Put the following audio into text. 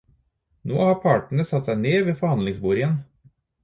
Nå har partene satt seg ned ved forhandlingsbordet igjen.